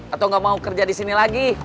atau gak mau kerja disini lagi